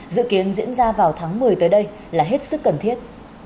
dự kiến diễn ra vào tháng một mươi tới đây là hết sức cần thiết